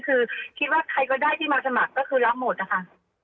คือคิดว่าใครก็ได้ที่มาสมัครก็คือรับหมดนะคะ